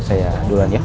ya ya duluan ya